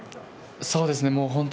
そうですね。